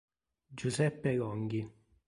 Giuseppe Longhi